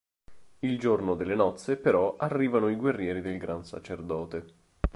Il giorno delle nozze, però, arrivano i guerrieri del Gran sacerdote.